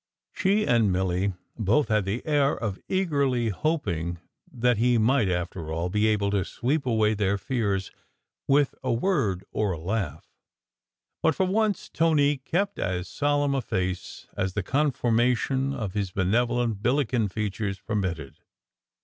She and Milly both had the air of eagerly hoping that he might after all be able to sweep away their fears with a word or a laugh; but for once, Tony kept as solemn a face as the conformation of his benevolent Billiken features permitted.